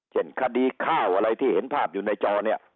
คดีข้าวอะไรที่เห็นภาพอยู่ในจอเนี่ย